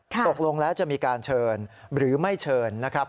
ตกลงแล้วจะมีการเชิญหรือไม่เชิญนะครับ